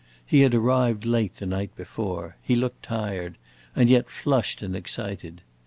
He had arrived late the night before; he looked tired, and yet flushed and excited.